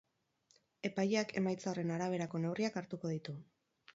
Epaileak emaitza horren araberako neurriak hartuko ditu.